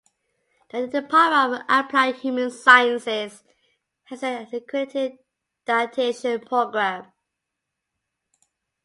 The Department of Applied Human Sciences has an accredited dietitian program.